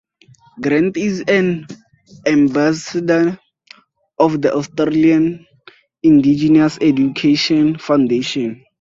Grant is an ambassador of the Australian Indigenous Education Foundation.